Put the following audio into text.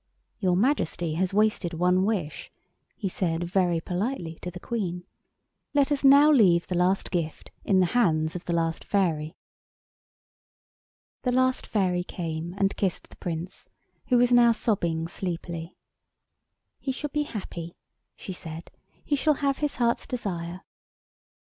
"Your Majesty has wasted one wish," he said very politely to the Queen; "let us now leave the last gift in the hands of the last fairy." The last fairy came and kissed the Prince, who was now sobbing sleepily. "He shall be happy," she said; "he shall have his heart's desire."